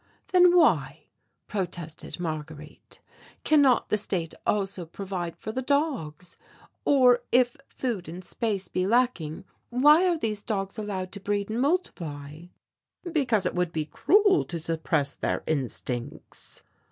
"Then why," protested Marguerite, "cannot the state provide also for the dogs, or if food and space be lacking why are these dogs allowed to breed and multiply?" "Because it would be cruel to suppress their instincts."